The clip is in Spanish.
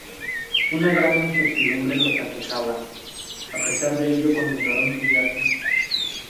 Una gran incertidumbre los aquejaba, a pesar de ello continuaron su viaje.